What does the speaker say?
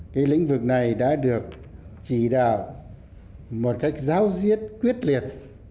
cái lĩnh vực này đã được chỉ đạo một cách giáo diết quyết liệt